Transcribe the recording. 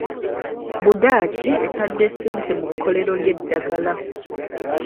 Budaaki etadde ssente mu kkolero ly'eddagala.